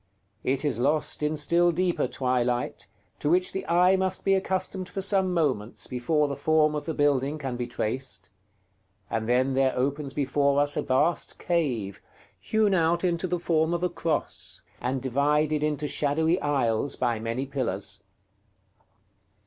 It is lost in still deeper twilight, to which the eye must be accustomed for some moments before the form of the building can be traced; and then there opens before us a vast cave, hewn out into the form of a Cross, and divided into shadowy aisles by many pillars.